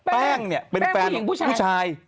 แป้งเนี่ยเป็นแฟนผู้ชาย